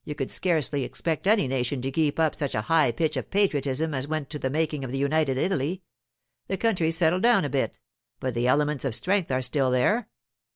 You could scarcely expect any nation to keep up such a high pitch of patriotism as went to the making of United Italy—the country's settled down a bit, but the elements of strength are still there.